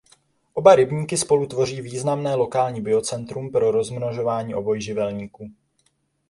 Oba rybníky spolu tvoří významné lokální biocentrum pro rozmnožování obojživelníků.